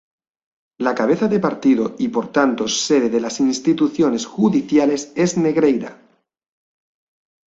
La cabeza de partido y por tanto sede de las instituciones judiciales es Negreira.